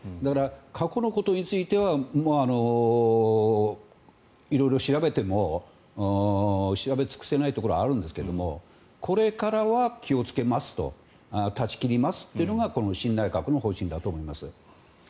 過去のことについては色々、調べても調べつくせないことはあるんですけどこれからは気をつけますと断ち切りますというのがこの新内閣の方針だと思います。